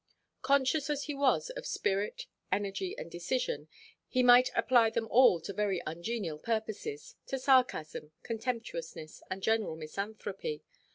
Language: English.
Conscious as he was of spirit, energy, and decision, he might apply them all to very ungenial purposes, to sarcasm, contemptuousness, and general misanthropy.